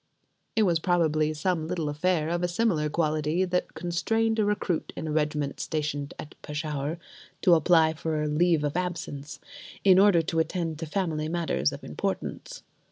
It was probably some little affair of a similar quality that constrained a recruit in a regiment stationed at Peshawur to apply for leave of absence: in order to attend to family matters of importance.